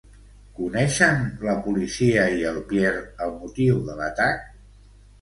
Coneixen la policia i el Pierre el motiu de l'atac?